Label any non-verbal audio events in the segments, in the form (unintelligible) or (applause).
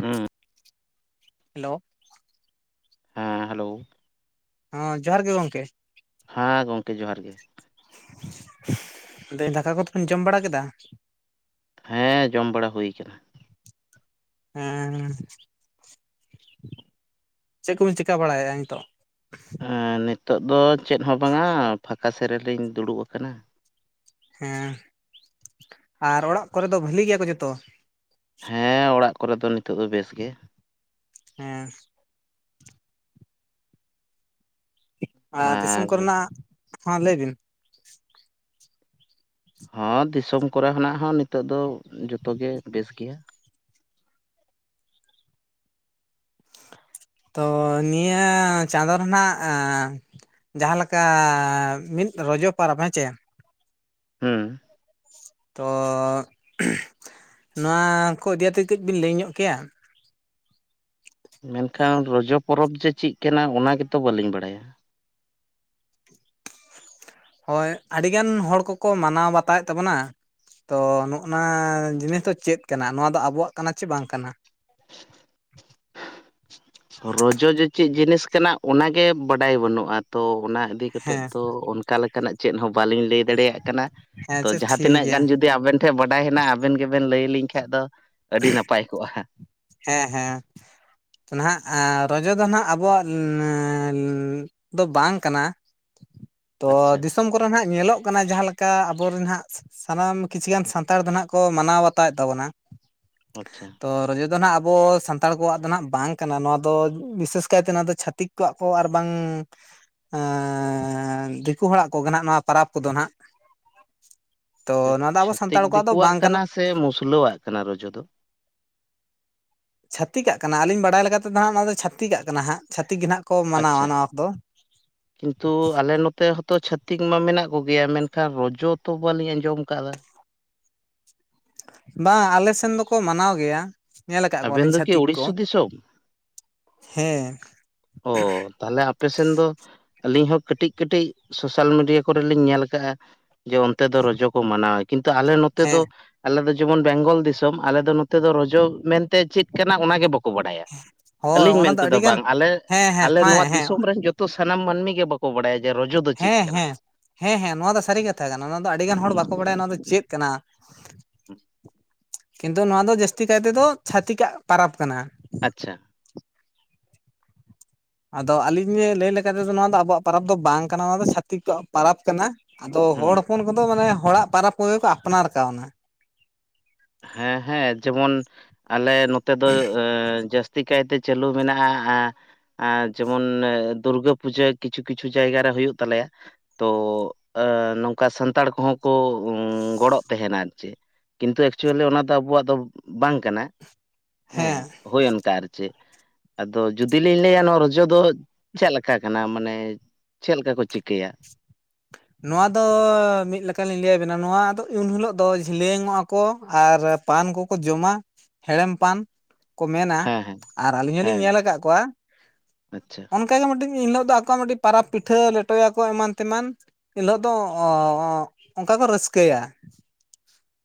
ᱦᱮᱸ ᱦᱮᱞᱳ ᱦᱮᱸ ᱦᱮᱞᱳ ᱦᱮᱸ ᱡᱚᱦᱟᱨ ᱜᱮ ᱜᱚᱢᱠᱮ᱾ ᱦᱮᱸ ᱜᱚᱢᱠᱮ ᱡᱚᱦᱟᱨ ᱜᱮ᱾ ᱟᱫᱚᱧ ᱫᱟᱠᱟ ᱠᱚᱫᱚ ᱯᱮ ᱡᱚᱢ ᱵᱟᱲᱟ ᱠᱮᱫᱟ? ᱦᱮᱸ ᱡᱚᱢ ᱵᱟᱲᱟ ᱦᱩᱭ ᱠᱟᱱᱟ᱾ ᱦᱮᱸ ᱪᱮᱫ ᱠᱚᱵᱤᱱ ᱪᱤᱠᱟᱹ ᱵᱟᱲᱟᱭᱮᱫᱼᱟ, ᱱᱤᱛᱳ᱾ ᱮᱸ ᱱᱤᱛᱚᱜ ᱫᱚ ᱪᱮᱫ ᱦᱚᱸ ᱵᱟᱝᱟ ᱯᱷᱟᱸᱠᱟ ᱥᱮᱫ ᱨᱮᱞᱤᱧ ᱫᱩᱲᱩᱵ ᱟᱠᱟᱱᱟ᱾ ᱦᱮᱸ ᱟᱨ ᱚᱲᱟᱜ ᱠᱚᱨᱮ ᱫᱚ ᱵᱷᱟᱹᱞᱤ ᱜᱮᱭᱟ ᱠᱚ ᱡᱚᱛᱚ? ᱦᱮᱸ ᱚᱲᱟᱜ ᱠᱚᱨᱮ ᱫᱚ ᱱᱤᱛᱚᱜ ᱫᱚ ᱵᱮᱥ ᱜᱮ᱾ ᱦᱮᱸ ᱟᱨ ᱫᱤᱥᱚᱢ ᱠᱚᱨᱮᱱᱟᱜ ᱦᱚᱸ ᱞᱟᱹᱭ ᱵᱤᱱ? ᱦᱚᱸ ᱫᱤᱥᱚᱢ ᱠᱚᱨᱮᱱᱟᱜ ᱦᱚᱸ ᱱᱤᱛᱚᱜ ᱫᱚ ᱡᱚᱛᱚᱜᱮ ᱵᱮᱥ ᱜᱮᱭᱟ᱾ ᱻ (inaudible) ᱛᱚ ᱱᱤᱭᱟᱹ ᱪᱟᱸᱫᱚ ᱨᱮᱱᱟᱜ ᱮ ᱡᱟᱦᱟᱸ ᱞᱮᱠᱟ ᱢᱤᱫ ᱨᱚᱡᱚ ᱯᱚᱨᱚᱵᱽ ᱦᱮᱸ ᱪᱮ ᱦᱮᱸ ᱛᱚ ᱱᱚᱣᱟ ᱠᱚ ᱤᱫᱤ ᱛᱮ ᱠᱟᱹᱡ ᱵᱤᱱ ᱞᱟᱹᱭ ᱧᱚᱜ ᱠᱮᱭᱟ? ᱦᱮᱸ ᱜᱚᱝᱠᱮ ᱨᱚᱡᱚ ᱯᱚᱨᱚᱵᱽ ᱡᱮ ᱪᱮᱫ ᱠᱟᱱᱟ ᱚᱱᱟ ᱜᱮᱛᱚ ᱵᱟᱹᱞᱤᱧ ᱵᱟᱲᱟᱭᱟ᱾ ᱦᱳᱭ ᱟᱹᱰᱤᱜᱟᱱ ᱦᱚᱲ ᱠᱚᱠᱚ ᱢᱟᱱᱟᱣ ᱵᱟᱛᱟᱣᱮᱫ ᱛᱟᱵᱚᱱᱟ᱾ ᱛᱚ ᱱᱚᱜᱼ ᱱᱚᱣᱟ ᱡᱤᱱᱤᱥ ᱫᱚ ᱪᱮᱫ ᱠᱟᱱᱟ ᱱᱚᱣᱟ ᱫᱚ ᱟᱵᱚᱣᱟᱜ ᱠᱟᱱᱟ ᱪᱮ ᱵᱟᱝ ᱠᱟᱱᱟ? ᱻ (inaudible) ᱨᱚᱡᱚ ᱡᱮ ᱪᱮᱫ ᱡᱤᱱᱤᱥ ᱠᱟᱱᱟ ᱚᱱᱟᱜᱮ ᱵᱟᱰᱟᱭ ᱵᱟᱹᱱᱩᱜᱼᱟ ᱛᱚ᱾ ᱚᱱᱟ ᱤᱫᱤ ᱠᱟᱛᱮᱫ ᱦᱮᱸ ᱫᱚ ᱚᱱᱠᱟ ᱞᱮᱠᱟᱱᱟᱜ ᱪᱮᱫ ᱦᱚᱸ ᱵᱟᱞᱤᱧ ᱞᱟᱹᱭ ᱫᱟᱲᱮᱭᱟᱜ ᱠᱟᱱᱟ ᱦᱮᱸ ᱛᱚ᱾ ᱟᱪᱪᱷᱟ ᱡᱟᱦᱟᱸ ᱴᱷᱤᱠ ᱛᱤᱱᱟᱹᱜ ᱜᱮᱭᱟ ᱜᱟᱱ ᱡᱩᱫᱤ ᱟᱵᱮᱱ ᱴᱷᱮᱱ ᱵᱟᱰᱟᱭ ᱦᱮᱱᱟᱜ ᱟᱵᱮᱱ ᱜᱮ ᱵᱮᱱ ᱞᱟᱹᱭᱞᱤᱧ ᱠᱷᱟᱱ ᱫᱚ ᱟᱹᱰᱤ ᱱᱟᱯᱟᱭ ᱠᱚᱜᱼᱟ᱾ ᱦᱮᱸ ᱦᱮᱸ ᱱᱟᱦᱟᱜ ᱨᱚᱡᱚ ᱫᱚ ᱦᱟᱸᱜ ᱟᱵᱚᱣᱟᱜ ᱫᱚ ᱵᱟᱝ ᱠᱟᱱᱟ᱾ ᱛᱚ ᱟᱪᱪᱷᱟ ᱫᱤᱥᱚᱢ ᱠᱚᱨᱮ ᱟᱸᱜ ᱧᱮᱞᱚᱜ ᱠᱟᱱᱟ᱾ ᱡᱟᱦᱟᱸ ᱞᱮᱠᱟ ᱟᱵᱚᱨᱮᱱ ᱦᱟᱸᱜ ᱥᱟᱱᱟᱢ ᱠᱤᱪᱷᱩ ᱜᱟᱱ ᱥᱟᱱᱛᱟᱲ ᱫᱚ ᱦᱟᱸᱜ ᱠᱚ ᱢᱟᱱᱟᱣ ᱵᱟᱛᱟᱣᱮᱫ ᱛᱟᱵᱚᱱᱟ᱾ ᱟᱪᱪᱷᱟ ᱛᱚ ᱨᱚᱡᱚ ᱫᱚ ᱱᱟᱦᱟᱜ ᱟᱵᱚ ᱥᱟᱱᱛᱟᱲ ᱠᱚᱣᱟᱜ ᱫᱚ ᱱᱟᱦᱟᱜ ᱵᱟᱝ ᱠᱟᱱᱟ᱾ ᱱᱚᱣᱟ ᱫᱚ ᱵᱤᱥᱮᱥ ᱠᱟᱭᱛᱮ ᱱᱚᱣᱟ ᱫᱚ ᱪᱷᱟᱟᱹᱛᱤᱠ ᱠᱚᱣᱟᱜ ᱠᱚ ᱟᱨ ᱵᱟᱝ ᱫᱤᱠᱩ ᱦᱚᱲᱟᱜ ᱠᱚᱜᱮ ᱱᱟᱜ ᱱᱚᱣᱟ ᱯᱚᱨᱚᱵᱽ ᱠᱚᱫᱚ ᱦᱟᱸᱜ᱾ (unintelligible) ᱟᱪᱪᱷᱟ ᱛᱷᱤᱠ ᱫᱤᱠᱩᱣᱟᱜ ᱠᱟᱱᱟ ᱥᱮ ᱢᱩᱥᱞᱟᱹᱣᱟᱜ ᱠᱟᱱᱟ ᱨᱚᱡᱚ ᱫᱚ ᱪᱷᱟᱹᱛᱤᱠᱟᱜ ᱠᱟᱱᱟ ᱟᱹᱞᱤᱧ ᱵᱟᱲᱟᱭ ᱞᱮᱠᱟ ᱛᱮᱫᱚ ᱦᱟᱸᱜ ᱱᱚᱶᱟ ᱫᱚ ᱪᱷᱟᱹᱤᱠᱟᱜ ᱠᱟᱱᱟ ᱦᱟᱸᱜ᱾ ᱪᱷᱟᱹᱤᱠ ᱜᱮ ᱱᱟᱦᱟᱸᱜ ᱟᱪᱪᱷᱟ ᱠᱤᱱᱛᱩ ᱟᱞᱮ ᱱᱚᱛᱮ ᱦᱚᱛᱚ ᱪᱷᱷᱟᱛᱤᱠ ᱢᱟ ᱢᱮᱱᱟᱜ ᱠᱚᱜᱮᱭᱟ ᱢᱮᱱᱠᱷᱟᱱ ᱨᱚᱡᱚ ᱛᱚ ᱵᱟᱹᱞᱤᱧ ᱟᱸᱡᱚᱢ ᱟᱠᱟᱫᱟ᱾ ᱵᱟᱝ ᱟᱞᱮ ᱥᱮᱱ ᱫᱚᱠᱚ ᱢᱟᱱᱟᱣ ᱜᱮᱭᱟ᱾ ᱧᱮᱞ ᱟᱠᱟᱫ ᱟᱵᱮᱱ ᱠᱚᱣᱟᱞᱤᱧ ᱫᱚ ᱠᱤ ᱪᱷᱟᱹᱛᱤᱠ ᱠᱚ᱾ ᱩᱲᱤᱥᱥᱟ ᱫᱤᱥᱚᱢ ᱦᱮᱸ ᱚ ᱛᱟᱦᱞᱮ ᱟᱯᱮᱥᱮᱱ ᱫᱚ ᱟᱹᱞᱤᱧ ᱦᱚᱸ ᱠᱟᱹᱴᱤᱡ ᱠᱟᱹᱴᱤᱡ ᱥᱳᱥᱟᱞ ᱢᱤᱰᱤᱭᱟ ᱠᱚᱨᱮ ᱞᱤᱧ ᱧᱮᱞ ᱟᱠᱟᱜᱼᱟ ᱡᱮ ᱚᱱᱛᱮ ᱫᱚ ᱨᱚᱡᱚ ᱠᱚ ᱢᱟᱱᱟᱣ ᱠᱤᱱᱛᱩ ᱟᱞᱮ ᱱᱚᱛᱮ ᱫᱚ ᱦᱮᱸ ᱟᱞᱮ ᱫᱚ ᱡᱮᱢᱚᱱ ᱵᱮᱝᱜᱚᱞ ᱫᱤᱥᱚᱢ ᱟᱞᱮ ᱫᱚ ᱱᱚᱛᱮ ᱫᱚ ᱨᱚᱡᱚ ᱢᱮᱱᱛᱮ ᱪᱮᱫ ᱠᱟᱱᱟ ᱚᱱᱟ ᱜᱮ ᱵᱟᱠᱚ ᱵᱟᱲᱟᱭᱟ ᱦᱳᱭ ᱟᱹᱞᱤᱧ ᱚᱱᱟ ᱢᱮᱱ ᱫᱚ ᱛᱮᱫᱚ ᱟᱹᱰᱤᱜᱟᱱ ᱵᱟᱝ ᱟᱞᱮ ᱦᱮᱸ ᱦᱮᱸ ᱟᱞᱮ ᱦᱮᱸ ᱱᱚᱣᱟ ᱦᱮᱸ ᱫᱤᱥᱚᱢ ᱨᱮᱱ ᱡᱚᱛᱚ ᱥᱟᱱᱟᱢ ᱢᱟᱹᱱᱢᱤ ᱜᱮ ᱵᱟᱠᱚ ᱵᱟᱲᱟᱭᱟ ᱡᱮ ᱨᱚᱡᱚ ᱫᱚ ᱪᱮᱫ ᱦᱮᱸ ᱠᱟᱱᱟ ᱦᱮᱸ ᱦᱮᱸ ᱦᱮᱸ ᱱᱚᱣᱟ ᱫᱚ ᱥᱟᱹᱨᱤ ᱠᱟᱛᱷᱟ ᱠᱟᱱᱟ ᱱᱚᱣᱟ ᱫᱚ ᱟᱹᱰᱤᱜᱟᱱ ᱦᱚᱲ ᱵᱟᱠᱚ ᱵᱟᱲᱟᱭᱟ ᱱᱚᱣᱟ ᱫᱚ ᱪᱮᱫ ᱠᱟᱱᱟ᱾ (unintelligible) (inaudible) ᱠᱤᱱᱛᱩ ᱱᱚᱣᱟ ᱫᱚ ᱡᱟᱹᱥᱛᱤ ᱠᱟᱭ ᱛᱮᱫᱚ ᱪᱷᱟᱹᱛᱤᱠᱟᱜ ᱯᱚᱨᱚᱵᱽ ᱠᱟᱱᱟ᱾ ᱟᱪᱪᱷᱟ ᱟᱫᱚ ᱟᱹᱞᱤᱧ ᱞᱟᱹᱭ ᱞᱮᱠᱟᱟᱱ ᱛᱮᱫᱚ ᱱᱚᱣᱟ ᱫᱚ ᱟᱵᱚᱣᱟᱜ ᱯᱨᱟᱟᱵᱽ ᱫᱚ ᱵᱟᱝ ᱠᱟᱱᱟ᱾ ᱱᱚᱣᱟ ᱫᱚ ᱪᱷᱟᱹᱛᱤᱠ ᱠᱚᱣᱟᱜ ᱯᱟᱨᱟᱵᱽ ᱠᱟᱱᱟ᱾ ᱟᱫᱚ ᱦᱩᱸ ᱦᱚᱲ ᱦᱚᱯᱚᱱ ᱠᱚᱫᱚ ᱢᱟᱱᱮ ᱦᱚᱲᱟᱜ ᱯᱚᱨᱚᱵᱽ ᱠᱚ ᱜᱮ ᱠᱚ ᱟᱯᱱᱟᱨ ᱠᱟᱣᱱᱟ᱾ ᱦᱮᱸ ᱦᱮᱸ ᱡᱮᱢᱚᱱ ᱟᱞᱮ ᱱᱚᱛᱮ ᱫᱚ ᱡᱟᱹᱥᱛᱤ ᱠᱟᱭᱛᱮ ᱪᱟᱹᱞᱩ ᱢᱮᱱᱟᱜᱼᱟ ᱡᱮᱢᱚᱱ ᱫᱩᱨᱜᱟᱹ ᱯᱩᱡᱟᱹ ᱠᱤᱪᱷᱩ ᱠᱤᱪᱷᱩ ᱡᱟᱭᱜᱟ ᱨᱮ ᱦᱩᱭᱩᱜ ᱛᱟᱞᱮᱭᱟ ᱛᱚ ᱱᱚᱝᱠᱟ ᱥᱟᱱᱛᱟᱲ ᱠᱚᱦᱚᱸ ᱠᱚ ᱜᱚᱲᱚᱜ ᱛᱟᱦᱮᱱᱟ ᱟᱨ ᱪᱮ ᱠᱤᱱᱛᱩ ᱮᱠᱪᱩᱭᱮᱞᱤ ᱚᱱᱟ ᱫᱚ ᱟᱵᱚᱣᱟᱜ ᱫᱚ ᱵᱟᱝ ᱠᱟᱱᱟ ᱦᱮᱸ ᱦᱳᱭ ᱚᱱᱠᱟ ᱟᱨ ᱪᱮᱫ ᱟᱫᱚ ᱡᱩᱫᱤ ᱞᱤᱧ ᱞᱟᱹᱭᱟ ᱱᱚᱣᱟ ᱨᱚᱡᱚ ᱫᱚ ᱪᱮᱫᱞᱮᱠᱟ ᱠᱟᱱᱟ ᱢᱟᱱᱮ ᱪᱮᱫ ᱞᱮᱠᱟ ᱠᱚ ᱪᱤᱠᱟᱹᱭᱟᱹ? ᱱᱚᱣᱟ ᱫᱚ ᱢᱤᱫ ᱞᱮᱠᱟ ᱞᱤᱧ ᱞᱟᱹᱭ ᱟᱵᱤᱱᱟ ᱱᱚᱣᱟᱫᱚ ᱩᱱ ᱦᱤᱞᱳᱜ ᱫᱚ ᱡᱷᱤᱞᱟᱹᱝ ᱚᱜᱼᱟ ᱠᱚ ᱟᱨ ᱯᱟᱱ ᱠᱚᱠᱚ ᱡᱚᱢᱟ ᱦᱮᱲᱮᱢ ᱯᱟᱱ ᱠᱚ ᱢᱮᱱᱟ ᱦᱮᱸ ᱦᱮᱸ ᱟᱨ ᱟᱹᱞᱤᱧ ᱦᱚᱞᱤᱧ ᱦᱮᱸ ᱧᱮᱞ ᱟᱠᱟᱫ ᱠᱚᱣᱟ ᱟᱪᱪᱷᱟ ᱚᱱᱠᱟ ᱜᱮ ᱢᱤᱫᱴᱮᱱ ᱮᱱ ᱦᱤᱞᱳᱜ ᱫᱚ ᱟᱠᱚᱣᱟᱜ ᱢᱤᱫᱴᱤᱡ ᱯᱟᱨᱟᱵᱽ ᱯᱤᱴᱷᱟᱹ ᱞᱮᱴᱚᱭᱟᱠᱚ ᱮᱢᱟᱱ ᱛᱮᱢᱟᱱ ᱮᱱ ᱦᱤᱞᱳᱜ ᱫᱚ ᱚᱱᱠᱟ ᱠᱚ ᱨᱟᱹᱥᱠᱟᱹᱭᱟ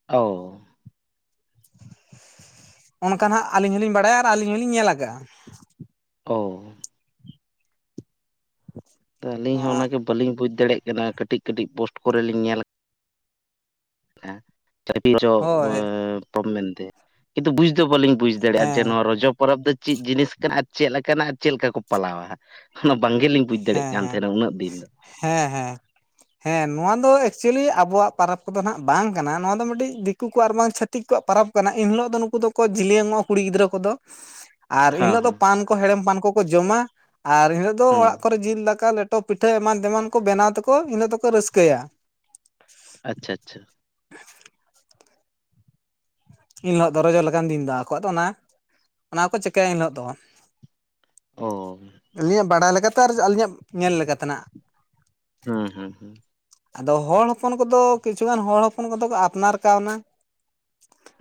ᱳ ᱚᱱᱠᱟ ᱱᱟᱦᱟᱸᱜ ᱟᱹᱞᱤᱧ ᱦᱚᱸᱞᱤᱧ ᱵᱟᱲᱟᱭᱟ ᱟᱨ ᱟᱹᱞᱤᱧ ᱦᱚᱞᱤᱧ ᱧᱮᱞ ᱠᱟᱜᱼᱟ ᱾ ᱳ ᱟᱹᱞᱤᱧ ᱦᱚᱸ ᱚᱱᱟᱜᱮ ᱵᱟᱹᱞᱤᱧ ᱵᱩᱡᱽ ᱫᱟᱲᱮᱭᱟᱜ ᱠᱟᱱᱟ ᱠᱟᱹᱴᱤᱡ ᱠᱟᱹᱴᱤᱡ ᱯᱳᱥᱴ ᱠᱚᱨᱮ ᱞᱤᱧ ᱧᱮᱞ (unintelligible) ᱦᱳᱭ ᱢᱮᱱᱛᱮ ᱠᱤᱱᱛᱩ ᱵᱩᱡ ᱫᱚ ᱵᱟᱹᱞᱤᱧ ᱵᱩᱡ ᱫᱟᱲᱮᱭᱟᱜᱼᱟ ᱡᱮ ᱦᱮᱸ ᱱᱚᱣᱟ ᱨᱚᱡᱚ ᱯᱚᱨᱚᱵᱽ ᱫᱚ ᱪᱮᱫ ᱡᱤᱱᱤᱥ ᱠᱟᱱᱟ ᱟᱨ ᱪᱮᱫ ᱞᱮᱠᱟᱱᱟᱜ ᱟᱨ ᱪᱮᱫ ᱞᱮᱠᱟ ᱠᱚ ᱯᱟᱞᱟᱣᱟ᱾ ᱵᱟᱝᱜᱮᱞᱤᱧ ᱵᱩᱡᱽ ᱫᱟᱲᱮᱭᱟᱜ ᱦᱮᱸ ᱠᱟᱱ ᱦᱮᱸ ᱛᱟᱦᱮᱱᱟ ᱩᱱᱟᱹᱜ ᱫᱤᱱ ᱫᱚ ᱦᱮᱸ ᱦᱮᱸ ᱦᱮᱸ ᱱᱚᱣᱟ ᱫᱚ ᱪᱮᱫ ᱞᱤᱧ ᱞᱟᱹᱭᱟ ᱟᱵᱚᱣᱟᱜ ᱯᱟᱨᱟᱽ ᱠᱚᱫᱚ ᱱᱟᱦᱟᱜ ᱵᱟᱝ ᱠᱟᱱᱟ ᱱᱚᱣᱟ ᱫᱚ ᱢᱤᱫᱴᱤᱡ ᱫᱤᱠᱩ ᱠᱚ ᱟᱨ ᱵᱟᱝ ᱪᱷᱟᱹᱛᱤᱠ ᱠᱚᱣᱟᱜ ᱯᱟᱨᱟᱵᱽ ᱠᱟᱱᱟ ᱤᱱ ᱦᱤᱞᱳᱜ ᱫᱚ ᱱᱩᱠᱩ ᱫᱚᱠᱚ ᱡᱤᱞᱮᱝᱚᱜᱼᱟ ᱠᱩᱲᱤ ᱜᱤᱫᱽᱨᱟᱹ ᱠᱚᱫᱚ ᱟᱨ ᱦᱮᱸ ᱮᱱᱦᱤᱞᱳᱜ ᱫᱚ ᱦᱮᱸ ᱯᱟᱱ ᱠᱚ ᱦᱮᱲᱮᱢ ᱯᱟᱱ ᱠᱚᱠᱚ ᱡᱚᱢᱟ ᱟᱨ ᱮᱱᱦᱤᱞᱳᱜ ᱫᱚ ᱦᱩᱸ ᱠᱚᱨᱮ ᱡᱤᱞ ᱫᱟᱠᱟ ᱞᱮᱴᱚ ᱯᱤᱴᱷᱟᱹ ᱮᱢᱟᱱ ᱛᱮᱢᱟᱱ ᱠᱚ ᱵᱮᱱᱟᱣ ᱛᱮᱠᱚ ᱤᱱᱟᱹᱜ ᱫᱚᱠᱚ ᱨᱟᱹᱥᱠᱟᱹᱭᱟ ᱟᱪᱪᱷᱟ ᱟᱪᱪᱷᱟ ᱮᱱ ᱦᱤᱞᱳᱜ ᱫᱚ ᱨᱚᱡᱚ ᱞᱮᱠᱟᱱ ᱫᱤᱱ ᱫᱚ ᱟᱠᱚ ᱟᱫᱚ ᱚᱱᱟ ᱚᱱᱟ ᱠᱚ ᱪᱤᱠᱟᱹᱭᱟ ᱮᱱᱦᱤᱞᱳᱜ ᱫᱚ᱾ ᱚ ᱟᱹᱞᱤᱧᱟᱜ ᱵᱟᱲᱟᱭ ᱞᱮᱠᱟᱛᱮ ᱟᱨ ᱟᱹᱞᱤᱧᱟᱜ ᱧᱮᱞ ᱞᱮᱠᱟ ᱛᱮᱱᱟᱜ ᱦᱮᱸ ᱦᱮᱸ ᱦᱮᱸ ᱟᱫᱚ ᱦᱚᱲ ᱦᱚᱯᱚᱱ ᱠᱚᱫᱚ ᱠᱤᱪᱷᱩᱩᱜᱟᱱ ᱦᱚᱲ ᱦᱚᱯᱚᱱ ᱠᱚᱫᱚ ᱠᱚ ᱟᱯᱱᱟᱨ ᱠᱟᱣᱱᱟ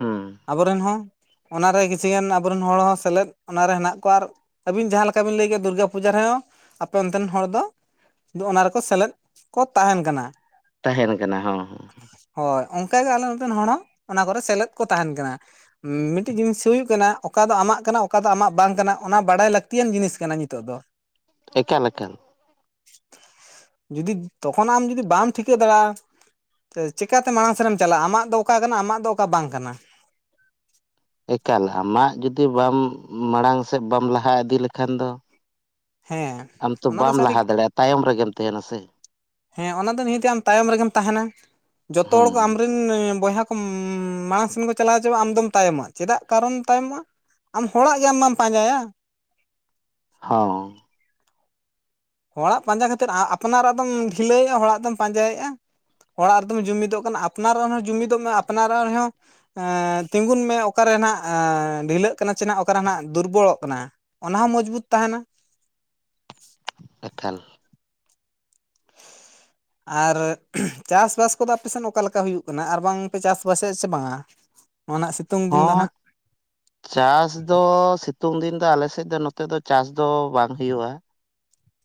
ᱦᱩᱸ ᱟᱵᱚᱨᱮᱱ ᱦᱚᱸ ᱚᱱᱟᱨᱮ ᱠᱤᱪᱷᱩ ᱜᱟᱱ ᱟᱵᱚᱨᱮᱱ ᱦᱚᱲ ᱦᱚᱸ ᱥᱮᱞᱮᱫ ᱚᱱᱟᱨᱮ ᱦᱮᱱᱟᱜ ᱠᱚᱣᱟ ᱟᱨ ᱟᱹᱵᱤᱱ ᱡᱟᱦᱟᱸ ᱞᱮᱠᱟ ᱵᱤᱱ ᱞᱟᱹᱭ ᱠᱮᱜ-ᱟ ᱫᱩᱨᱜᱟ ᱯᱩᱡᱟ ᱨᱮᱦᱚᱸ ᱾ ᱟᱯᱮ ᱚᱱᱛᱮᱱ ᱦᱚᱲ ᱫᱚ ᱚᱱᱟ ᱨᱮᱠᱚ ᱥᱮᱞᱮᱫ ᱠᱚ ᱛᱟᱦᱮᱱ ᱠᱟᱱᱟ ᱾ ᱛᱟᱦᱮᱱ ᱠᱟᱱᱟ ᱦᱮᱸ ᱦᱮ ᱾ ᱚᱱᱠᱟ ᱜᱮ ᱟᱞᱮ ᱱᱚᱛᱮᱱ ᱦᱚᱲ ᱦᱚᱸ ᱚᱱᱟ ᱠᱚᱨᱮ ᱥᱮᱞᱮᱫ ᱛᱟᱦᱮᱱ ᱠᱟᱱᱟ ᱢᱤᱫᱴᱤᱡ ᱡᱤᱱᱤᱥ ᱦᱩᱭᱩᱜ ᱠᱟᱱᱟ ᱚᱠᱟ ᱫᱚ ᱟᱢᱟᱜ ᱠᱟᱱᱟ ᱚᱠᱟ ᱫᱚ ᱟᱢᱟᱜ ᱵᱟᱝ ᱠᱟᱱᱟ ᱚᱱᱟ ᱵᱟᱲᱟᱭ ᱞᱟᱹᱠᱛᱤ ᱞᱟᱹᱠᱛᱤᱭᱟᱱ ᱡᱤᱱᱤᱥ ᱠᱟᱱᱟ ᱱᱤᱛᱚᱜ ᱫᱚ ᱾ ᱮᱠᱟᱞ ᱮᱠᱟᱞ ᱡᱩᱫᱤ ᱛᱚᱠᱷᱚᱱ ᱟᱢ ᱡᱩᱫᱤ ᱵᱟᱢ ᱴᱷᱤᱠᱟᱹ ᱫᱟᱲᱮᱭᱟᱜᱼᱟ ᱪᱤᱠᱟᱛᱮ ᱢᱟᱲᱟᱝ ᱥᱮᱱᱢ ᱪᱟᱞᱟᱜᱼᱟ ᱟᱢᱟᱜ ᱫᱚ ᱚᱠᱟ ᱠᱟᱱᱟ ᱟᱢᱟᱜ ᱫᱚ ᱚᱠᱟ ᱵᱟᱝ ᱠᱟᱱᱟ᱾ ᱮᱠᱟᱞ ᱟᱢᱟᱜ ᱡᱩᱫᱤ ᱵᱟᱢ ᱢᱟᱲᱟᱝ ᱥᱮᱫ ᱵᱟᱢ ᱞᱟᱦᱟ ᱤᱫᱤ ᱞᱮᱠᱷᱟᱱ ᱫᱚ᱾ ᱦᱮᱸ ᱟᱢ ᱛᱚ ᱚᱱᱟ ᱫᱚ ᱵᱟᱢ ᱥᱟᱹᱨᱤ ᱞᱟᱦᱟ ᱫᱟᱲᱮᱭᱟᱜᱼᱟ ᱛᱟᱭᱚᱢ ᱨᱮᱜᱮᱢ ᱛᱟᱦᱮᱱᱟ ᱥᱮ ᱦᱮᱸ ᱚᱱᱟ ᱫᱚ ᱱᱤᱦᱟᱹᱛ ᱟᱢ ᱛᱟᱭᱚᱢ ᱨᱮᱜᱮᱢ ᱛᱟᱦᱮᱱᱟ ᱡᱚᱛᱚ ᱦᱚᱲ ᱠᱚ ᱦᱩᱸ ᱟᱢᱨᱮᱱ ᱵᱚᱭᱦᱟ ᱠᱚ ᱢᱟᱲᱟᱝ ᱥᱮᱱ ᱠᱚ ᱪᱟᱞᱟᱣ ᱪᱟᱼᱟ ᱟᱢ ᱫᱚᱢ ᱛᱟᱭᱚᱢᱟ ᱪᱮᱫᱟᱜ ᱠᱟᱨᱚᱱ ᱛᱟᱭᱚᱢᱚᱜᱼᱟ ᱟᱢ ᱦᱚᱲᱟᱜ ᱜᱮ ᱟᱢ ᱢᱟᱢ ᱯᱟᱸᱡᱟᱭᱟ᱾ ᱦᱚᱸ ᱦᱚᱲᱟᱜ ᱯᱟᱸᱡᱟ ᱠᱷᱟᱹᱛᱤᱨ ᱟᱯᱱᱟᱨᱟᱜ ᱫᱚᱢ ᱰᱷᱤᱞᱟᱹᱭᱣᱮᱫᱼᱟ ᱦᱚᱲᱟᱜ ᱫᱚᱢ ᱯᱟᱸᱡᱟᱭᱮᱫᱼᱟ᱾ ᱚᱲᱟᱜ ᱨᱮᱫᱚᱢ ᱡᱩᱢᱤᱫᱚᱜ ᱠᱟᱱᱟ ᱟᱯᱱᱟᱨ ᱨᱟᱱ ᱦᱚᱸ ᱡᱩᱢᱤᱫᱚᱜ ᱢᱮ ᱟᱯᱱᱟᱨ ᱨᱟᱱ ᱦᱚᱸ ᱛᱤᱸᱜᱩᱱ ᱢᱮ ᱚᱠᱟᱨᱮ (unintelligible) ᱰᱷᱤᱞᱟᱹᱜ ᱠᱟᱱᱟ ᱥᱮ ᱚᱠᱟᱟᱨᱮ ᱫᱩᱨᱵᱚᱞᱚᱜ ᱠᱟᱱᱟ ᱚᱱᱟ ᱦᱚᱸ ᱢᱚᱡᱽᱵᱩᱛ ᱛᱟᱦᱮᱱᱟ (inaudible) ᱮᱠᱟᱞ (inaudible) ᱟᱨ ᱪᱟᱥᱼᱵᱟᱥ ᱠᱚᱫᱚ ᱟᱯᱮ ᱥᱮᱮᱫ ᱚᱠᱟ ᱞᱮᱠᱟ ᱦᱩᱭᱩᱜ ᱠᱟᱱᱟ ᱟᱨ ᱵᱟᱝ ᱯᱮ ᱪᱟᱥᱼᱵᱟᱥᱮᱫ ᱥᱮ ᱵᱟᱝᱟ? ᱱᱚᱜᱼᱚ ᱱᱟ ᱥᱤᱛᱩᱝ ᱫᱤᱱ ᱫᱚ ᱦᱚᱸ ᱱᱟᱦᱟᱜ ᱪᱟᱥ ᱫᱚ ᱥᱤ ᱥᱤᱛᱩᱝ ᱫᱤᱱ ᱫᱚ ᱟᱞᱮ ᱥᱮᱫ ᱫᱚ ᱱᱚᱛᱮ ᱫᱚ ᱪᱟᱥ ᱫᱚ ᱵᱟᱝ ᱦᱩᱭᱩᱜᱼᱟ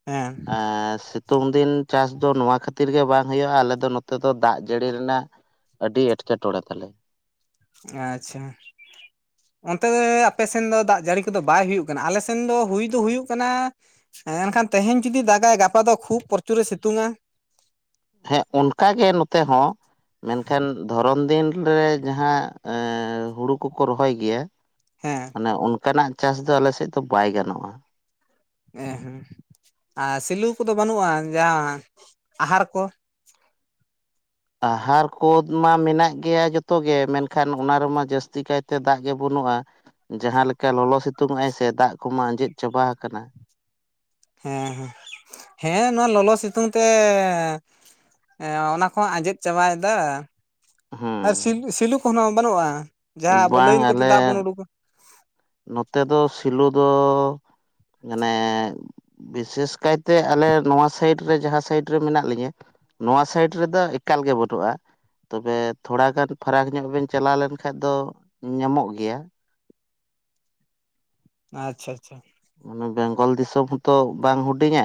ᱦᱮᱸ ᱮᱸ ᱥᱤᱛ ᱥᱤᱛᱩᱝ ᱫᱤᱱ ᱪᱟᱥ ᱫᱚ ᱱᱚᱣᱟ ᱠᱷᱟᱹᱛᱤᱨ ᱜᱮ ᱵᱟᱝ ᱦᱩᱭᱩᱜᱼᱟ ᱟᱞᱮ ᱫᱚ ᱱᱚᱛᱮ ᱫᱚ ᱫᱟᱜ ᱡᱟᱹᱲᱤ ᱨᱮᱱᱟᱜ ᱟᱹᱰᱤ ᱮᱸᱴᱠᱮᱴᱚᱬᱮ ᱛᱟᱞᱮ ᱟᱪᱪᱷᱟ ᱚᱱᱛᱮ ᱫᱚ ᱟᱯᱮ ᱥᱮᱱ ᱫᱚ ᱫᱟᱜ ᱡᱟᱹᱲᱤ ᱠᱚᱫᱚ ᱵᱟᱭ ᱦᱩᱭᱩᱜ ᱠᱟᱱᱟ ᱟᱞᱮ ᱥᱮᱱ ᱫᱚ ᱦᱩᱭ ᱫᱚ ᱦᱩᱭᱩᱜ ᱠᱟᱱᱟ ᱦᱮᱸ ᱮᱱᱠᱷᱟᱱ ᱛᱮᱦᱮᱧ ᱡᱩᱫᱤ ᱫᱟᱜᱟᱭ ᱜᱟᱯᱟ ᱫᱚ ᱠᱷᱩᱵ ᱯᱨᱚᱪᱩᱨ ᱨᱮ ᱥᱤᱛᱩᱝᱟ ᱦᱮᱸ ᱚᱱᱠᱟᱜᱮ ᱱᱚᱛᱮ ᱦᱚᱸ ᱢᱮᱱᱠᱷᱟᱱ ᱫᱷᱚᱨᱚᱢ ᱫᱤᱱᱨᱮ ᱡᱟᱦᱟᱸ ᱮ ᱦᱩᱲᱩ ᱠᱚᱠᱚ ᱨᱚᱦᱚᱭ ᱜᱮᱭᱟ ᱦᱮᱸ ᱚᱱᱮ ᱚᱱᱠᱟᱱᱟᱜ ᱪᱟᱥ ᱫᱚ ᱟᱞᱮ ᱥᱮᱫ ᱫᱚ ᱵᱟᱭ ᱜᱟᱱᱚᱜᱼᱟ ᱦᱮᱸ ᱦᱮᱸ ᱟᱨ ᱥᱤᱞᱩ ᱠᱚᱫᱚ ᱵᱟᱹᱱᱩᱜᱼᱟ ᱡᱟᱦᱟᱸ ᱟᱦᱟᱨ ᱠᱚ (inaudible) ᱟᱦᱟᱨ ᱠᱚ ᱢᱟ ᱢᱮᱱᱟᱜ ᱜᱮᱭᱟ ᱡᱚᱛᱚᱜ ᱜᱮ ᱢᱮᱱᱠᱷᱟᱱ ᱚᱱᱟ ᱨᱮᱢᱟ ᱡᱟᱹᱥᱛᱤ ᱠᱟᱭᱛᱮ ᱫᱟᱜ ᱜᱮ ᱵᱟᱹᱱᱩᱜ ᱟ ᱡᱟᱦᱟᱸ ᱞᱮᱠᱟ ᱞᱚᱞᱚ ᱥᱤᱛᱩᱝ ᱟᱭ ᱥᱮ ᱫᱟᱜ ᱠᱚᱢᱟ ᱟᱸᱡᱮᱫ ᱪᱟᱵᱟ ᱟᱠᱟᱱᱟ ᱦᱮᱸ ᱦᱮᱸ ᱦᱮᱸ ᱱᱚᱣᱟ ᱞᱚᱞᱚ ᱥᱤᱛᱩᱝ ᱛᱮ ᱮᱸ ᱚᱱᱟ ᱠᱚᱦᱚᱸ ᱟᱸᱡᱮᱫ ᱪᱟᱵᱟᱭᱮᱫᱟ ᱟᱨ ᱦᱮᱸ ᱥᱤᱞᱩ ᱥᱤᱞᱩ ᱠᱚᱦᱚᱸ ᱵᱟᱹᱱᱩᱜᱼᱟ ᱡᱟᱦᱟᱸ ᱟᱵᱚ ᱵᱟᱝ ᱞᱟᱹᱭᱤᱱ ᱠᱚᱛᱮ ᱟᱞᱮ ᱫᱟᱜ ᱵᱩᱱ ᱩᱰᱩᱠᱟ ᱱᱚᱛᱮ ᱫᱚ ᱥᱤᱞᱩ ᱫᱚ ᱢᱟᱱᱮ ᱵᱤᱥᱮᱥ ᱠᱟᱭᱛᱮ ᱟᱞᱮ ᱱᱚᱣᱟ ᱥᱟᱭᱤᱰ ᱨᱮ ᱡᱟᱦᱟᱸ ᱥᱟᱭᱤᱰ ᱨᱮ ᱢᱮᱱᱟᱜ ᱞᱤᱧᱟᱹ ᱱᱚᱣᱟ ᱥᱟᱭᱤᱰ ᱨᱮᱫᱚ ᱮ ᱮᱠᱟᱞ ᱜᱮ ᱵᱟᱹᱴᱩᱜᱼᱟ ᱛᱚᱵᱮ ᱛᱷᱚᱲᱟᱜᱟᱱ ᱯᱷᱟᱨᱟᱠ ᱧᱚᱜ ᱵᱮᱱ ᱪᱟᱞᱟᱣ ᱞᱮᱱᱠᱷᱟᱡ ᱫᱚ ᱧᱟᱢᱚᱜ ᱜᱮᱭᱟ ᱟᱪᱪᱷᱟ ᱟᱪᱪᱷᱟ ᱢᱟᱱᱮ ᱵᱮᱝᱜᱚᱞ ᱫᱤᱥᱚᱢ ᱦᱚᱸᱛᱚ ᱵᱟᱝ ᱦᱩᱰᱤᱧᱟ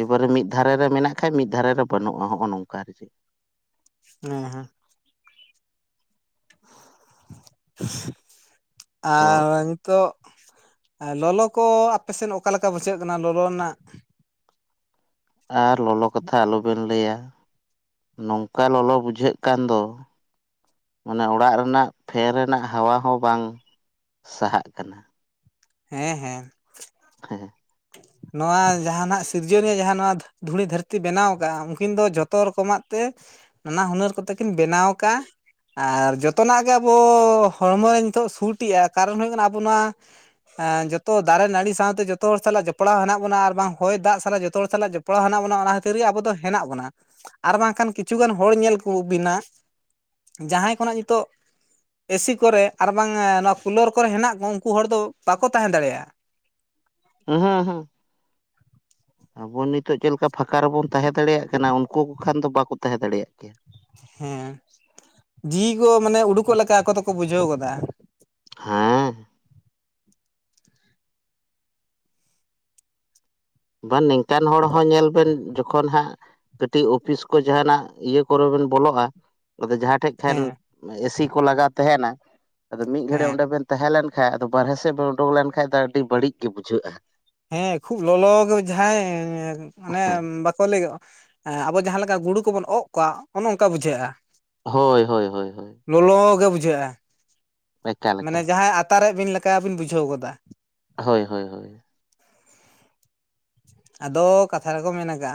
ᱮᱵᱟᱨᱮ ᱢᱤᱫ ᱫᱷᱟᱨᱮ ᱨᱮ ᱢᱮᱱᱟᱜ ᱠᱷᱟᱱᱡ ᱢᱤᱫ ᱫᱷᱟᱨᱮ ᱨᱮ ᱵᱟᱹᱱᱩᱜᱼᱟ ᱦᱚᱸᱜᱼᱚ ᱱᱚᱝᱠᱟ ᱟᱨᱠᱤ ᱦᱮᱸ ᱦᱮᱸ ᱛᱚ ᱟᱨ ᱱᱤᱛᱚᱜ ᱞᱚᱞᱚ ᱠᱚ ᱟᱯᱮ ᱥᱮᱱ ᱚᱠᱟ ᱞᱮᱠᱟ ᱵᱩᱡᱷᱟᱹᱜ ᱠᱟᱱᱟ ᱞᱚᱞᱚ ᱨᱮᱱᱟᱜ ᱟᱨ ᱞᱚᱞᱚ ᱠᱟᱛᱷᱟ ᱟᱞᱚᱵᱮᱱ ᱞᱟᱹᱭᱟ ᱱᱚᱝᱠᱟ ᱞᱚᱞᱚ ᱵᱩᱡᱷᱟᱹᱜ ᱠᱟᱱ ᱫᱚ ᱢᱟᱱᱮ ᱚᱲᱟᱜ ᱨᱮᱱᱟᱜ ᱯᱷᱮᱱ ᱨᱮᱱᱟᱜ ᱦᱟᱣᱟ ᱦᱚᱸ ᱵᱟᱝ ᱥᱟᱦᱟᱜ ᱠᱟᱱᱟ ᱦᱮᱸ ᱦᱮᱸ ᱦᱮᱸᱮᱸ ᱱᱚᱣᱟ ᱡᱟᱸᱦᱟᱱᱟᱜ ᱥᱤᱨᱡᱚᱱᱤᱭᱟᱹ ᱡᱟᱸᱦᱟ ᱱᱚᱣᱟ ᱫᱷᱩᱲᱤ ᱫᱷᱟᱹᱨᱛᱤ ᱵᱮᱱᱟᱣ ᱠᱟᱜᱼᱟ ᱩᱱᱠᱤᱱ ᱫᱚ ᱡᱚᱛᱚ ᱨᱚᱠᱚᱢᱟᱜ ᱛᱮ ᱱᱟᱱᱟ ᱦᱩᱱᱟᱹᱨ ᱠᱚᱛᱮ ᱠᱤᱱ ᱵᱮᱱᱟᱣ ᱠᱟᱜᱼᱟ ᱟᱨ ᱡᱚᱛᱚᱱᱟᱜ ᱜᱮ ᱟᱵᱚ ᱦᱚᱲᱢᱚᱨᱮ ᱱᱤᱛᱚᱜ ᱥᱩᱴ ᱮᱜᱼᱟ ᱠᱟᱨᱚᱱ ᱦᱩᱭᱩᱜ ᱠᱟᱱᱟ ᱟᱵᱚ ᱱᱚᱣᱟ ᱮᱸ ᱡᱚᱛᱚ ᱫᱟᱨᱮ ᱱᱟᱹᱲᱤ ᱥᱟᱶᱛᱮ ᱡᱚᱛᱚ ᱦᱚᱲ ᱥᱟᱞᱟᱜ ᱡᱚ ᱡᱚᱯᱲᱟᱣ ᱦᱮᱱᱟᱜ ᱵᱚᱱᱟ ᱟᱨ ᱵᱟᱝ ᱦᱚᱭ ᱫᱟᱜ ᱥᱟᱞᱟᱜ ᱡᱚᱛᱚ ᱦᱚᱲ ᱥᱟᱞᱟᱜ ᱡᱚᱯᱲᱟᱣ ᱦᱮᱱᱟᱜ ᱵᱚᱱᱟ ᱚᱱᱟ ᱠᱷᱟᱹᱛᱤᱨ ᱜᱮ ᱟᱵᱚ ᱫᱚ ᱦᱮᱱᱟᱜ ᱵᱚᱱᱟ ᱟᱨ ᱵᱟᱝ ᱟᱱ ᱠᱤᱪᱷᱩᱜᱟᱱ ᱦᱚᱲ ᱧᱮᱞ ᱠᱚ ᱵᱤᱱᱟ ᱡᱟᱦᱟᱸᱭ ᱠᱷᱚᱱᱟᱜ ᱧᱤᱛᱚᱜ ᱮᱥᱤ ᱠᱚᱨᱮ ᱟᱨ ᱵᱟᱝ ᱮᱸ ᱱᱚᱣᱟ ᱠᱩᱞᱟᱨ ᱠᱚᱨᱮ ᱦᱮᱱᱟᱜ ᱠᱚᱣᱟ ᱩᱱᱠᱩ ᱦᱚᱲ ᱫᱚ ᱵᱟᱠᱚ ᱛᱟᱦᱮᱸ ᱫᱟᱲᱮᱭᱟᱜᱼᱟ (inaudible) ᱩᱸᱦᱩ ᱩᱸᱦᱩ ᱟᱵᱚ ᱱᱤᱛᱚᱜ ᱪᱮᱫ ᱞᱮᱠᱟ ᱯᱷᱟᱸᱠᱟ ᱨᱮᱵᱚᱱ ᱛᱟᱦᱮᱸ ᱫᱟᱲᱮᱭᱟᱜ ᱠᱟᱱᱟ ᱩᱱᱠᱩ ᱠᱚ ᱠᱷᱟᱱ ᱫᱚ ᱵᱟᱠᱚ ᱛᱟᱦᱮᱸ ᱫᱟᱲᱮᱭᱟᱜ ᱠᱮᱭᱟ ᱦᱮᱸ ᱡᱤᱣᱤ ᱠᱚ ᱢᱟᱱᱮ ᱩᱰᱩᱠᱚᱜ ᱞᱮᱠᱟ ᱟᱠᱚ ᱫᱚᱠᱚ ᱵᱩᱡᱷᱟᱹᱣ ᱜᱚᱫᱟ ᱦᱮᱸ ᱵᱟᱝ ᱱᱤᱝᱠᱟᱱ ᱦᱚᱲ ᱦᱚᱸ ᱧᱮᱞ ᱵᱮᱱ ᱡᱚ ᱡᱚᱠᱷᱚᱱ ᱦᱟᱸᱜ ᱠᱟᱹᱴᱤᱡ ᱚᱯᱷᱤᱥ ᱠᱚ ᱡᱟᱦᱟᱱᱟᱜ ᱤᱭᱟᱹ ᱠᱚᱨᱮ ᱵᱮᱱ ᱵᱚᱞᱚᱜᱼᱟ ᱟᱫᱚ ᱡᱟᱦᱟᱸ ᱴᱷᱮᱡ ᱯᱷᱮᱱ ᱦᱮᱸ ᱮᱥᱤ ᱠᱚ ᱞᱟᱜᱟᱣ ᱛᱟᱦᱮᱸᱱᱟ ᱟᱫᱚ ᱢᱤᱫ ᱜᱷᱟᱹᱲᱤ ᱦᱮᱸ ᱚᱸᱰᱮ ᱵᱮᱱ ᱛᱟᱦᱮᱸ ᱞᱮᱱᱠᱷᱟᱱ ᱦᱮ ᱟᱫᱚ ᱵᱟᱨᱦᱮ ᱥᱮᱫ ᱵᱚ ᱩᱰᱩᱠ ᱞᱮᱱᱠᱷᱟᱱ ᱫᱚ ᱟᱹᱰᱤ ᱵᱟᱹᱲᱤᱡ ᱜᱮ ᱵᱩᱡᱷᱟᱹᱜᱼᱟ ᱦᱮᱸ ᱠᱷᱩᱵ ᱞᱚᱞᱚ ᱡᱟᱦᱟᱸᱭ ᱮᱸ ᱚᱱᱮ ᱦᱮᱸ ᱵᱟᱠᱚ ᱞᱟᱹᱭᱼᱟ ᱟᱵᱚ ᱡᱟᱦᱟᱸ ᱞᱮᱠᱟ ᱜᱩᱲᱩ ᱠᱚᱵᱚᱱ ᱚᱜ ᱠᱚᱣᱟ ᱚᱱᱮ ᱚᱱᱠᱟ ᱵᱩᱡᱷᱟᱹᱜᱼᱟ ᱦᱳᱭ ᱦᱳᱭ ᱦᱳᱭ ᱞᱚᱞᱚ ᱜᱮ ᱵᱩᱡᱷᱟᱹᱜᱼᱟ ᱮᱠᱟᱞ ᱮᱠᱟᱞ ᱢᱟᱱᱮ ᱡᱟᱦᱟᱸᱭ ᱟᱛᱟᱨᱮ ᱵᱤᱱ ᱞᱮᱠᱟᱵᱤᱱ ᱵᱩᱡᱷᱟᱹᱣ ᱜᱚᱫᱟ᱾ ᱦᱳᱭ ᱦᱳᱭ ᱦᱳᱭ (inaudible) ᱟᱫᱚ ᱠᱟᱛᱷᱟ ᱨᱮᱠᱚ ᱢᱮᱱ ᱠᱟᱜᱼᱟ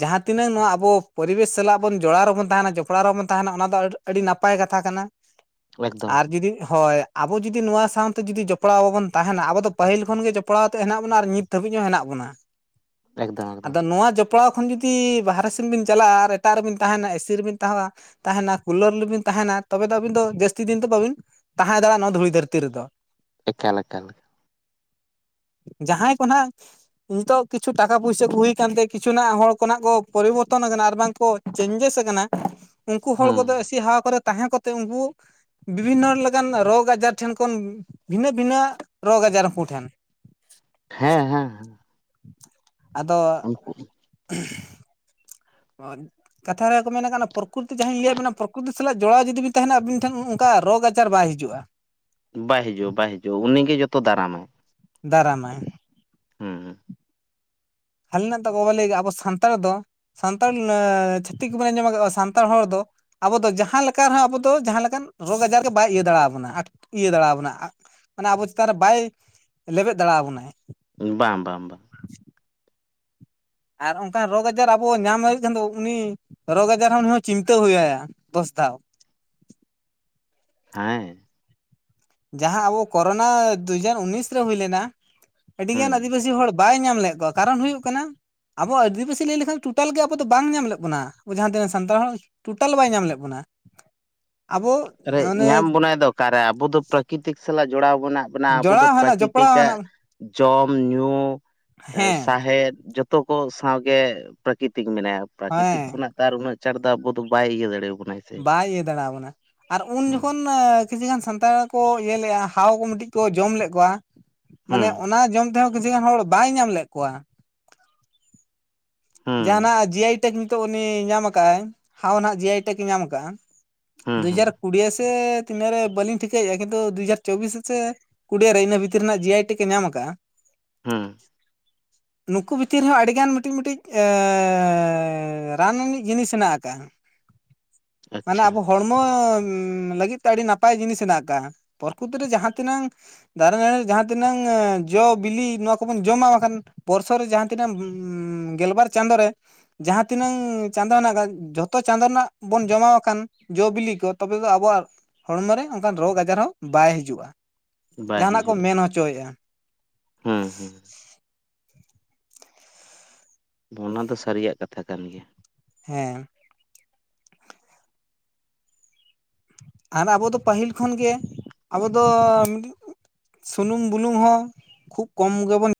ᱡᱟᱦᱟᱸ ᱛᱤᱱᱟᱹᱜ ᱱᱚᱣᱟ ᱟᱵᱚ ᱯᱚᱨᱤᱵᱮᱥ ᱥᱟᱞᱟᱜ ᱵᱚᱱ ᱡᱚᱲᱟᱣ ᱨᱮᱵᱚᱱ ᱛᱟᱦᱮᱸᱱᱟ ᱡᱚᱯᱲᱟᱣ ᱚᱱ ᱛᱟᱦᱮᱸᱱᱟ ᱚᱱᱟ ᱫᱚ ᱟᱹᱰᱤ ᱱᱟᱯᱟᱭ ᱠᱟᱛᱷᱟ ᱠᱟᱱᱟ ᱮᱠᱫᱚᱢ ᱟᱨ ᱡᱩᱫᱤ ᱦᱳᱭ ᱟᱵᱚ ᱡᱩᱫᱤ ᱱᱚᱣᱟ ᱥᱟᱶᱛᱮ ᱡᱩᱫᱤ ᱡᱚᱯᱲᱟᱣ ᱵᱟᱵᱚᱱ ᱛᱟᱦᱮᱱᱟ ᱟᱵᱚ ᱫᱚ ᱯᱟᱹᱦᱤᱞ ᱠᱷᱚᱱᱜ ᱜᱮ ᱡᱚᱯᱲᱟᱣᱛᱮ ᱦᱮᱱᱟᱜ ᱵᱚᱱᱟ ᱟᱨ ᱱᱤᱛ ᱫᱷᱟᱹᱵᱤᱡ ᱦᱚᱸ ᱦᱮᱱᱟᱜ ᱵᱚᱱᱟ᱾ ᱮᱠᱫᱚᱢ ᱮᱠᱫᱚᱢ ᱟᱫᱚ (unintelligible) ᱠᱷᱚᱱ ᱡᱩᱫᱤ ᱵᱟᱦᱨᱮ ᱥᱮᱱ ᱵᱤᱱ ᱪᱟᱞᱟᱜᱼᱟ ᱟᱨ ᱮᱴᱟᱜ ᱨᱮᱵᱤᱱ ᱛᱟᱦᱮᱸᱱᱟ ᱮᱥᱤ ᱨᱮᱵᱤᱱ ᱛᱟᱦᱮᱣᱟ ᱛᱟᱦᱮᱸᱱᱟ ᱠᱩᱞᱟᱨ ᱨᱮᱵᱤᱱ ᱛᱟᱦᱮ ᱛᱟᱦᱮᱸᱱᱟ ᱛᱚᱵᱮ ᱫᱚ ᱟᱹᱵᱤᱱ ᱫᱚ ᱡᱟᱹᱥᱛᱤ ᱫᱤᱱ ᱫᱚ ᱵᱟᱹᱵᱤᱱ ᱛᱟᱦᱮᱸ ᱫᱟᱲᱮᱭᱟᱜᱼᱟ ᱱᱚᱣᱟ ᱫᱷᱩᱲᱤ ᱫᱷᱟᱹᱨᱛᱤ ᱨᱮᱫᱚ᱾ ᱮᱠᱟᱞ ᱮᱠᱟᱞ ᱡᱟᱦᱟᱸᱭ ᱠᱚ ᱱᱟᱜ ᱱᱤᱛᱚᱜ ᱠᱤᱪᱷᱩ ᱴᱟᱠᱟ ᱯᱩᱭᱥᱟ ᱠᱚ ᱦᱩᱭ ᱟᱠᱟᱱᱛᱮ ᱠᱤᱪᱷᱩᱱᱟᱜ ᱦᱚᱲ ᱠᱚᱱᱟᱜ ᱠᱚ ᱯᱚᱨᱤᱵᱚᱨᱛᱚᱱ ᱟᱠᱟᱱᱟ ᱟᱨ ᱵᱟᱝ ᱠᱚ ᱪᱮᱧᱡᱮᱥ ᱟᱠᱟᱱᱟ ᱩᱱᱠᱩ ᱦᱚᱲ ᱦᱩᱸ ᱠᱚᱫᱚ ᱮᱥᱤ ᱦᱟᱣᱟ ᱠᱚᱨᱮ ᱛᱟᱦᱮᱸ ᱠᱚ ᱠᱟᱛᱮ ᱩᱱᱠᱩ ᱵᱤᱵᱷᱤᱱᱱᱚ ᱞᱮᱠᱟᱱ ᱨᱳᱜᱽ ᱟᱡᱟᱨ ᱴᱷᱮᱱ ᱠᱷᱚᱱ ᱵᱷᱤᱱᱟᱹ ᱵᱷᱤᱱᱟᱹ ᱨᱳᱜᱽ (inaudible) (unintelligible) ᱴᱷᱮᱱ ᱦᱮᱸ ᱦᱮᱸ ᱦᱮᱸ ᱟᱫᱚ ᱠᱟᱛᱷᱟ ᱨᱮᱠᱚ ᱢᱮᱱᱮᱫ ᱠᱟᱱᱟ ᱯᱨᱚᱠᱨᱤᱛᱤ ᱡᱟᱦᱟᱸᱧ ᱞᱟᱹᱭᱟᱫ ᱵᱮᱱᱟ ᱯᱨᱚᱠᱨᱤᱛᱤ ᱥᱟᱞᱟᱜ ᱡᱚᱲᱟᱣ ᱡᱩᱫᱤ ᱵᱤᱱ ᱛᱟᱦᱮᱸᱱᱟ ᱟᱵᱤᱱ ᱴᱷᱮᱱ ᱚᱱᱠᱟ ᱨᱳᱜᱽ ᱟᱡᱟᱨ ᱵᱟᱭ ᱦᱤᱡᱩᱜᱼᱟ᱾ ᱵᱟᱭ ᱦᱤᱡᱩᱜ ᱵᱟᱭ ᱦᱤᱡᱩᱜ ᱩᱱᱤᱜᱮ ᱡᱚᱛᱚ ᱫᱟᱨᱟᱢᱟᱭ᱾ ᱫᱟᱨᱟᱢᱟᱭ ᱦᱮᱸ ᱦᱮᱸ ᱦᱟᱞᱤ ᱨᱮᱱᱟᱜ ᱛᱟᱠᱚ ᱵᱟ ᱞᱟᱹᱭ ᱟᱵᱚ ᱥᱟᱱᱛᱟᱲ ᱫᱚ ᱥᱟᱱᱛᱟᱲ ᱪᱷᱟᱹᱛᱤᱠ ᱠᱚᱵᱚᱱᱮ ᱟᱸᱡᱚᱢ ᱟᱠᱟᱫ ᱥᱟᱱᱛᱟᱲ ᱦᱚᱲ ᱫᱚ ᱟᱵᱚ ᱫᱚ ᱡᱟᱦᱟᱸ ᱞᱮᱠᱟ ᱨᱮᱦᱚᱸ ᱟᱵᱚ ᱫᱚ ᱡᱟᱦᱟᱸ ᱞᱮᱠᱟᱱ ᱨᱳᱜᱽ ᱟᱡᱟᱨ ᱜᱮ ᱵᱟᱭ ᱤᱭᱟᱹ ᱫᱟᱲᱮ ᱟᱵᱚᱱᱟ ᱤᱭᱟᱹ ᱫᱟᱲᱮ ᱟ ᱵᱚᱱᱟ ᱢᱟᱱᱮ ᱟᱵᱚ ᱪᱮᱛᱟᱱᱨᱮ ᱵᱟᱭ ᱞᱮᱵᱮᱫ ᱫᱟᱲᱮ ᱟ ᱵᱚᱱᱟᱭ᱾ ᱵᱟᱝ ᱵᱟᱝ ᱵᱟᱝ ᱟᱨ ᱚᱱᱠᱟᱱ ᱨᱳᱜᱽ ᱟᱡᱟᱨ ᱟᱵᱚ ᱧᱟᱢ ᱫᱟᱲ ᱠᱷᱟᱱ ᱫᱚ ᱩᱱᱤ ᱨᱳᱜᱽ ᱟᱡᱟᱨ ᱦᱚᱸ ᱩᱱᱤ ᱦᱚᱸ ᱪᱤᱱᱛᱟᱹ ᱦᱩᱭ ᱟᱭᱟ ᱫᱚᱥ ᱫᱷᱟᱣ (inaudible) ᱦᱮᱸ ᱡᱟᱦᱟᱸ ᱟᱵᱚ ᱠᱨᱳᱱᱟ ᱫᱩᱦᱡᱟᱨ ᱩᱱᱤᱥ ᱨᱮ ᱦᱩᱭ ᱞᱮᱱᱟ ᱦᱩᱸ ᱟᱹᱰᱤᱜᱟᱱ ᱟᱹᱫᱤᱵᱟᱹᱥᱤ ᱦᱚᱲ ᱵᱟᱭ ᱧᱟᱢ ᱞᱮᱫ ᱠᱚᱣᱟ ᱠᱟᱨᱚᱱ ᱦᱩᱭᱩᱜ ᱠᱟᱱᱟ ᱟᱵᱚᱣᱟᱜ ᱟᱹᱫᱤᱵᱟᱹᱥᱤ ᱞᱟᱹᱭ ᱞᱮᱠᱷᱟᱱ ᱴᱳᱴᱟᱞ ᱜᱮ ᱟᱵᱚ ᱫᱚ ᱵᱟᱝ ᱧᱟᱢ ᱞᱮᱫ ᱵᱚᱱᱟ ᱡᱟᱦᱟᱸ ᱛᱤᱱᱟᱹ ᱥᱟᱱᱛᱟᱲ ᱦᱚᱲ ᱴᱳᱴᱟᱞ ᱵᱟᱭ ᱧᱟᱢ ᱞᱮᱫ ᱵᱚᱱᱟ᱾ (inaudible) ᱚᱱᱮ ᱧᱟᱢ ᱵᱚᱱᱟᱭ ᱫᱚ ᱚᱠᱟᱨᱮ ᱟᱵᱚ ᱫᱚ ᱯᱨᱟᱠᱨᱤᱛᱤᱠ ᱥᱟᱞᱟᱜ ᱡᱚᱲᱟᱣ ᱢᱮᱱᱟᱜ ᱵᱚᱱᱟ ᱟᱵᱚ ᱫᱚ ᱡᱚᱲᱟᱣ ᱦᱮᱱᱟᱜ ᱡᱚᱯᱲᱟᱣ ᱯᱨᱟᱠᱨᱤᱛᱤᱠᱟᱜ ᱦᱮᱱᱟᱜ ᱡᱚᱢ ᱧᱩ ᱦᱮᱸ ᱥᱟᱦᱮᱫ ᱡᱚᱛᱚ ᱡᱚᱛᱚ ᱠᱚ ᱥᱟᱶᱜᱮ ᱯᱨᱟᱠᱨᱤᱛᱤᱠ ᱢᱮᱱᱟᱭᱟ ᱯᱨᱟᱠᱨᱤᱛᱤᱠ ᱦᱮᱸ ᱠᱷᱚᱱᱟᱜ ᱛᱮ ᱟᱨ ᱩᱱᱟᱹᱜ ᱪᱟᱴ ᱫᱚ ᱟᱵᱚ ᱫᱚ ᱵᱟᱭ ᱤᱭᱟᱹ ᱫᱟᱲᱮᱭᱟ ᱵᱟᱭ ᱤᱭᱟᱹ ᱫᱟᱲᱮᱵᱚᱱᱟ ᱟᱨ ᱩᱱ ᱦᱩᱸ ᱡᱚᱠᱷᱚᱱ ᱠᱤᱪᱷᱩ ᱜᱟᱱ ᱥᱟᱱᱛᱟᱲ ᱠᱚ ᱤᱭᱟᱹ ᱞᱮᱫᱼᱟ ᱦᱟᱣ ᱠᱚ ᱢᱤᱫᱴᱤᱡ ᱠᱚ ᱡᱚᱢ ᱞᱮᱫ ᱠᱚᱣᱟ ᱢᱟᱱᱮ ᱦᱩᱸ ᱚᱱᱟ ᱡᱚᱢ ᱛᱮᱦᱚᱸ ᱦᱚᱲ ᱵᱟᱭ ᱧᱟᱢ ᱞᱮᱫ ᱠᱚᱣᱟ᱾ ᱦᱩᱸ ᱡᱟᱦᱟᱱᱟᱜ ᱡᱤ ᱟᱭ ᱴᱮᱠ ᱱᱤᱛᱚᱜ ᱩᱱᱤ ᱧᱟᱢ ᱟᱠᱟᱫᱼ ᱟᱭ ᱦᱟᱣ ᱡᱤ ᱟᱭ ᱴᱮᱠ ᱮ ᱧᱟᱢ ᱟᱠᱟᱫᱼᱟ᱾ ᱦᱩᱸ ᱦᱩᱸ ᱫᱩᱦᱟᱡᱟᱨ ᱠᱩᱲᱤ ᱛᱤᱱᱟᱹ ᱨᱮ ᱵᱟᱹᱞᱤᱧ ᱴᱷᱤᱠᱟᱹᱭᱮᱫᱼᱟ ᱠᱤᱱᱛᱩ ᱫᱩ ᱦᱟᱡᱟᱨ ᱪᱚᱵᱽᱵᱤᱥ ᱥᱮ ᱠᱩᱲᱤ ᱨᱮ ᱤᱱᱟᱹ ᱵᱷᱤᱛᱤᱨ ᱨᱮᱱᱟᱜ ᱡᱤ ᱟᱭ ᱴᱤ ᱠᱚ ᱧᱟᱢ ᱟᱠᱟᱫᱟ᱾ ᱦᱮ ᱦᱮᱸ ᱱᱩᱠᱩ ᱵᱷᱤᱛᱤᱨ ᱨᱮ ᱦᱚᱸ ᱟᱹᱰᱤᱜᱟᱱ ᱢᱤᱫᱴᱤᱡ ᱢᱤᱫᱴᱤᱡ ᱨᱟᱱ ᱨᱤᱱᱤᱡ ᱡᱤᱱᱤᱥ ᱦᱮᱱᱟᱜ ᱟᱠᱟᱜᱼᱟ᱾ ᱢᱟᱱᱮ ᱟᱪᱪᱷᱟ ᱟᱵᱚ ᱦᱚᱲᱢᱚ ᱞᱟᱹᱜᱤᱫ ᱛᱮ ᱟᱹᱰᱤ ᱱᱟᱯᱟᱭ ᱡᱤᱱᱤᱥ ᱦᱮᱱᱟᱜ ᱟᱠᱟᱜᱼᱟ ᱯᱨᱟᱠᱨᱤᱛᱤᱠ ᱨᱮ ᱡᱟᱦᱟᱸ ᱛᱤᱱᱟᱹ ᱫᱟᱨᱮ ᱱᱟᱹᱲᱤ ᱡᱟᱦᱟ ᱛᱤᱱᱟᱹᱜ ᱡᱚ ᱵᱤᱞᱤ ᱱᱚᱣᱟ ᱠᱚᱵᱚᱱ ᱡᱚᱢᱟ ᱵᱟᱠᱷᱟᱱ ᱯᱚᱨᱥᱚ ᱨᱮ ᱡᱟᱦᱟᱸ ᱛᱤᱱᱟᱹᱜ ᱜᱮᱞᱵᱟᱨ ᱪᱟᱸᱫᱳ ᱨᱮ ᱡᱟᱦᱟᱸ ᱛᱤᱱᱟᱹᱝ ᱪᱟᱸᱫᱚᱳ ᱦᱮᱱᱟᱜ ᱟᱠᱟᱫ ᱡᱷᱚᱛᱚ ᱪᱟᱸᱫᱳ ᱨᱮᱱᱟᱜ ᱵᱚᱱ ᱡᱚᱢᱟᱣ ᱟᱠᱟᱱ ᱡᱚ ᱵᱤᱞᱤ ᱠᱚ ᱛᱚᱵᱮ ᱫᱚ ᱟᱵᱚᱣᱟᱜ ᱦᱚᱲᱢᱚ ᱨᱮ ᱚᱱᱠᱟᱱ ᱨᱳᱜᱽ ᱟᱡᱟᱨ ᱦᱚᱸ ᱵᱟᱭ ᱦᱤᱡᱩᱜᱼᱟ ᱡᱟᱦᱟᱱᱟᱜ ᱠᱚ ᱢᱮᱱ ᱦᱚᱪᱚᱭᱮᱜᱼᱟ ᱦᱮᱸ ᱦᱮᱸ ᱚᱱᱟ ᱫᱚ ᱥᱟᱹᱨᱤᱭᱟᱜ ᱠᱟᱛᱷᱟ ᱠᱟᱱ ᱜᱮᱭᱟ ᱦᱮᱸ ᱟᱨ ᱟᱵᱚ ᱫᱚ ᱯᱟᱹᱦᱤᱞ ᱠᱷᱚᱱᱜᱮ ᱟᱵᱚ ᱫᱚ ᱥᱩᱱᱩᱢ ᱵᱩᱞᱩᱝ ᱦᱚᱸ ᱠᱷᱩᱵ ᱠᱚᱢ ᱜᱮᱵᱚᱱ